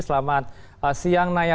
selamat siang naya